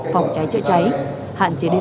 phòng cháy chữa cháy hạn chế đến